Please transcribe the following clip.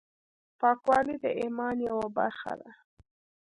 پاکوالی د ایمان یوه برخه ده۔